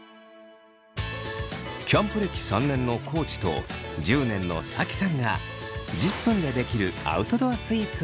キャンプ歴３年の地と１０年のＳａｋｉさんが１０分でできるアウトドアスイーツを作ります。